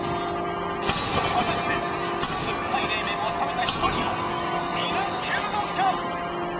果たして、酸っぱい冷麺を食べた１人を見抜けるのか？